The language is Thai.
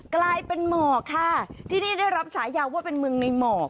กลายเป็นหมอกค่ะที่นี่ได้รับฉายาวว่าเป็นเมืองในหมอก